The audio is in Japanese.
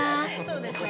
そうですね。